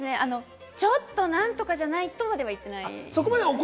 ちょっとなんとかじゃない！とまでは言ってないです。